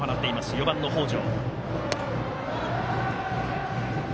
４番の北條。